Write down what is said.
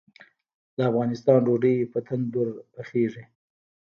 د افغانستان ډوډۍ په تندور پخیږي